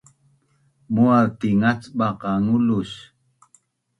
Mu’az tingacbaq qa ngulus